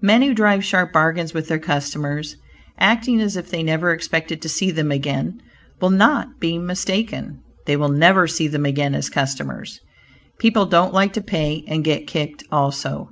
Men who drive sharp bargains with their customers, acting as if they never expected to see them again, will not be mistaken. They will never see them again as customers. People don't like to pay and get kicked also.